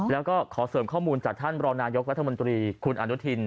แล้วก็ขอเสริมข้อมูลจากท่านรองนายกรัฐมนตรีคุณอนุทิน